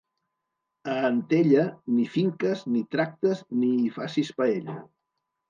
A Antella, ni finques, ni tractes, ni hi facis paella.